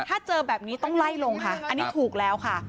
ถ้าเจอแบบนี้ต้องไล่ลงค่ะอันนี้ถูกแล้วค่ะ